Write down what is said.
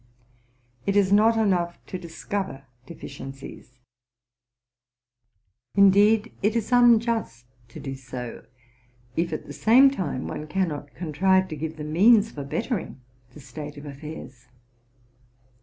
198 'Jt is not enough to discover deficiencies : indeed, it is unjust to do so, if at the same time one cannot contrive to give the means for bettering the state of affairs.